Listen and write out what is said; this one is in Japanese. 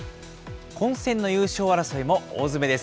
混戦の優勝争いも大詰めです。